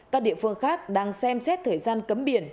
các địa phương khác đang xem xét thời gian cấm biển